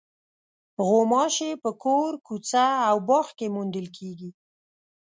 غوماشې په کور، کوڅه او باغ کې موندل کېږي.